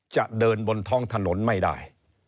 จะเดินบนท้องถนนไม่ได้